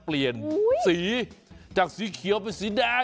เปลี่ยนสีจากสีเขียวเป็นสีแดง